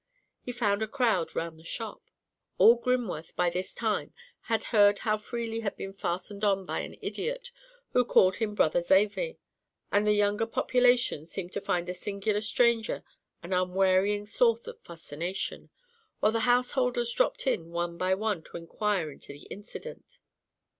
He found a crowd round the shop. All Grimworth by this time had heard how Freely had been fastened on by an idiot, who called him "Brother Zavy"; and the younger population seemed to find the singular stranger an unwearying source of fascination, while the householders dropped in one by one to inquire into the incident.